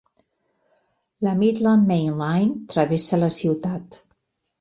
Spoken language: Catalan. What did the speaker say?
La Midland Main Line travessa la ciutat.